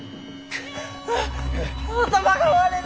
頭が割れる！